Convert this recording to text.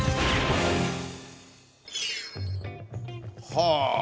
はあ！